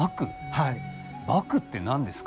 獏って何ですか？